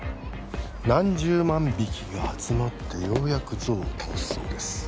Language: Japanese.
何十万匹が集まってようやくゾウを倒すそうです